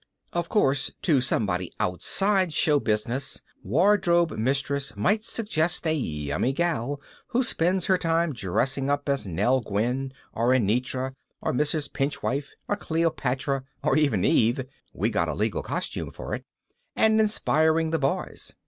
Of course to somebody outside show business, wardrobe mistress might suggest a yummy gal who spends her time dressing up as Nell Gwyn or Anitra or Mrs. Pinchwife or Cleopatra or even Eve (we got a legal costume for it) and inspiring the boys.